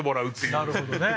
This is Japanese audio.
なるほどね。